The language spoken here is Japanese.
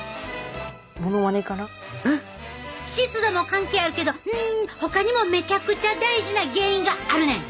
湿度も関係あるけどんほかにもめちゃくちゃ大事な原因があるねん！